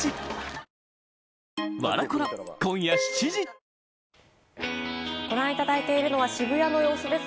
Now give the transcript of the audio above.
ニトリご覧いただいているのは渋谷の様子です。